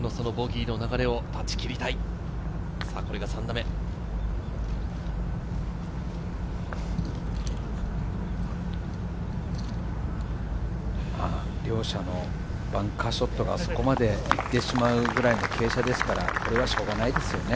これが３打目。両者のバンカーショットがあそこまで行ってしまうくらいの傾斜ですから、これはしょうがないですよね。